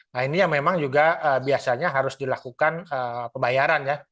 nah ini yang memang juga biasanya harus dilakukan pembayarannya